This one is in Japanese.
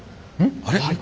あれ？